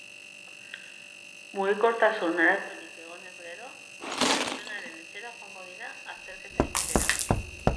Mugikortasun-arazorik egonez gero, pertsonaren etxera joango dira azterketa egitera.